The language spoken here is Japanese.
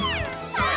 ああ！